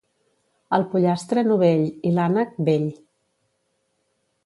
El pollastre, novell, i l'ànec, vell.